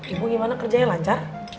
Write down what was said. ibu gimana kerjanya lancar